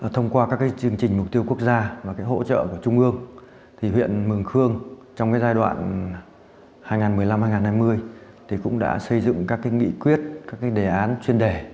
thông qua các chương trình mục tiêu quốc gia và hỗ trợ của trung ương huyện mường khương trong giai đoạn hai nghìn một mươi năm hai nghìn hai mươi cũng đã xây dựng các nghị quyết các đề án chuyên đề